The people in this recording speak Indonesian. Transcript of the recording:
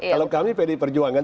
kalau kami pd perjuangan